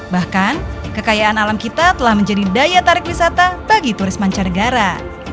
bahkan kekayaan alam kita telah menjadi daya tarik wisata bagi turis mancanegara